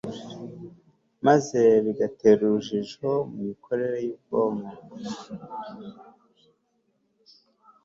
maze bigatera urujijo mu mikorere yubwonko